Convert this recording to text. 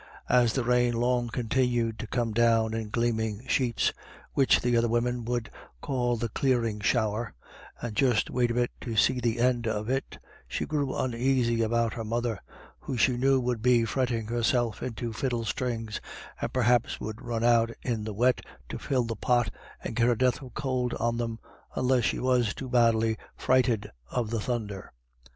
As the rain long continued to come down in gleaming sheets, which the other women would call the clearing shower and just wait a bit to see the end of, she grew uneasy about her mother, who she knew would be fretting herself into fiddle strings, and perhaps would run out in the wet to fill the pot, and get her death of cold on them, unless she was too badly frighted of the thunder.